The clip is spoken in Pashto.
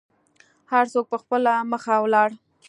هر څوک په خپله مخه ولاړل.